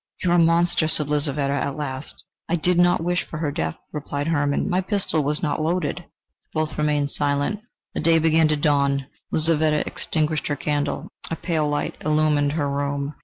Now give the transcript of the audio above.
"You are a monster!" said Lizaveta at last. "I did not wish for her death," replied Hermann: "my pistol was not loaded." Both remained silent. The day began to dawn. Lizaveta extinguished her candle: a pale light illumined her room.